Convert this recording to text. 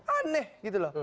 aneh gitu loh